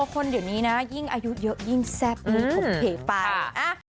คนเดี๋ยวนี้นะยิ่งอายุเยอะยิ่งแซ่บยิ่งถกเถไป